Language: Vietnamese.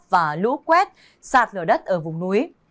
và lũ quét sạt lửa đất ở vùng núi